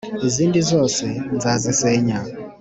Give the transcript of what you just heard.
izindi zose nzazisenya.